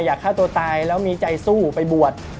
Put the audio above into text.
อยากฆ่าตัวตายแล้วมีใจสู้ไปบวช